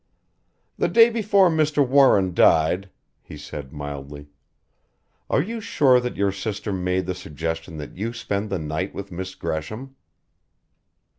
"The day before Mr. Warren died," he said mildly "are you sure that your sister made the suggestion that you spend the night with Miss Gresham?"